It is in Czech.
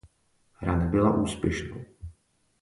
Hra nebylo úspěšnou.